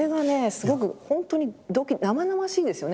すごく本当に生々しいんですよね。